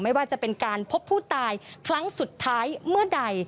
ไม่ว่าจะเป็นการพบผู้ตายครั้งสุดท้ายเมื่อใด